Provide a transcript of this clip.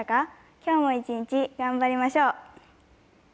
今日も一日頑張りましょう。